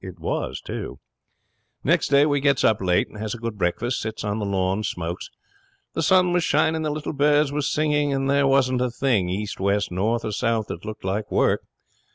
It was, too. 'Next day we gets up late and has a good breakfast, and sits on the lawn and smokes. The sun was shining, the little birds was singing, and there wasn't a thing, east, west, north, or south, that looked like work.